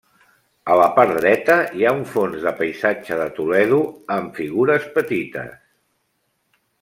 A la part dreta hi ha un fons de Paisatge de Toledo amb figures petites.